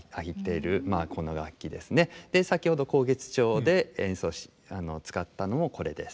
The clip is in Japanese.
先ほど「慷月調」で演奏に使ったのもこれです。